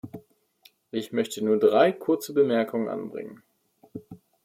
Ich möchte nur drei kurze Bemerkungen anbringen.